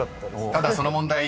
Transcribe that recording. ［ただその問題］